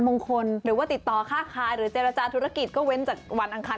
วันโลกาวินาทวันอังคาร